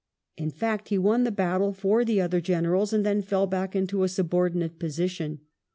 In fact, he won the battle for the other generals, and then fell back into a subordinate position.